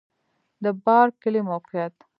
د بارک کلی موقعیت